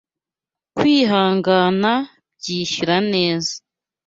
Kwihangana byishyura neza